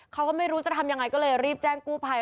เขาก็ไม่รู้จะทำยังไงก็เลยรีบแจ้งกู้ภัย